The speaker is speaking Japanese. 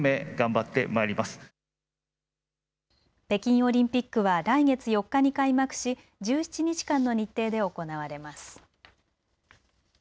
北京オリンピックは来月４日に開幕し、１７日間の日程で行われます。